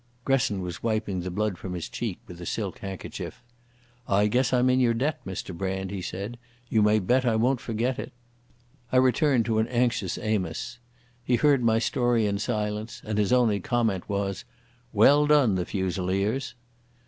Gresson was wiping the blood from his cheek with a silk handkerchief. "I guess I'm in your debt, Mr Brand," he said. "You may bet I won't forget it." I returned to an anxious Amos. He heard my story in silence and his only comment was—"Well done the Fusiliers!"